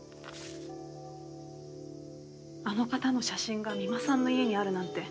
あの方の写真が三馬さんの家にあるなんて。